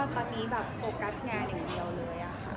ตอนนี้แบบโฟกัสงานอย่างเดียวเลยค่ะ